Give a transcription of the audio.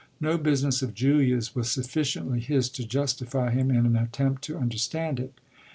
No business of Julia's was sufficiently his to justify him in an attempt to understand it.